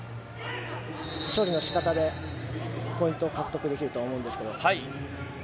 処理の仕方でポイント獲得できると思うんですけど。